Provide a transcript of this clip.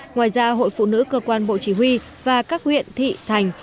ngoài ra hội phụ nữ cơ quan bộ chỉ huy và các huyện thị thành